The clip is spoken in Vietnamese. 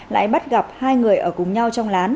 lại bắt gặp hai người ở cùng nhau trong lán